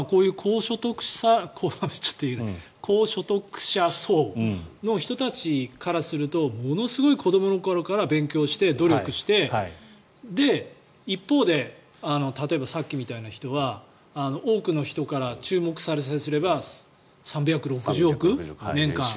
こういう高所得者層の人たちからするとものすごい子どもの頃から勉強して努力してで、一方で例えば、さっきみたいな人は多くの人から注目されさえすれば３６０億、年間。